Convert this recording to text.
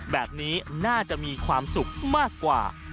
แบบนี้น่าจะมีความสุขมากกว่า